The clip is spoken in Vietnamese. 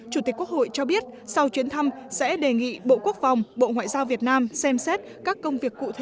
chủ tịch quốc hội cho biết sau chuyến thăm sẽ đề nghị bộ quốc phòng bộ ngoại giao việt nam xem xét các công việc cụ thể